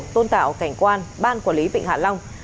tôn tạo cảnh quan ban quản lý vịnh hạ long